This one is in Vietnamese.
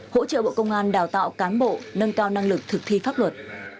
hỗ trợ bộ công an đào tạo cán bộ nâng cao năng lực thực thi pháp luật